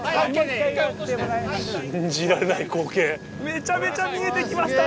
めちゃめちゃ見えて来ました